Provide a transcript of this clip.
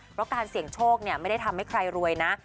เพราะการเสี่ยงโชคไม่ได้ทำให้ใครรวยนะ